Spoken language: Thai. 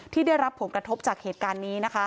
ที่ได้รับผลกระทบจากเหตุการณ์นี้